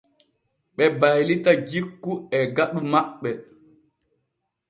Ɓe baylita jikku e faɗu maɓɓe.